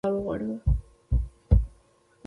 په پاشلي ډول پر چایو بانډار وغوړاوه.